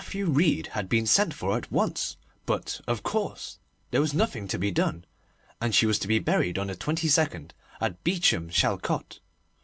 Sir Mathew Reid had been sent for at once, but, of course, there was nothing to be done, and she was to be buried on the 22nd at Beauchamp Chalcote.